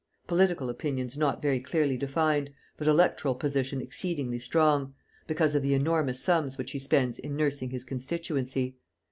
Political opinions not very clearly defined, but electoral position exceedingly strong, because of the enormous sums which he spends in nursing his constituency.